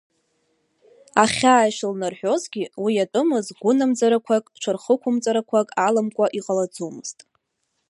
Ахьаа ишылнарҳәозгьы, уи иатәымыз гәынамӡарақәак, ҽырхықәымҵарақәак аламкәа иҟалаӡомызт.